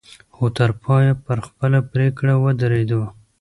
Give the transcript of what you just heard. خو تر پايه پر خپله پرېکړه ودرېدو.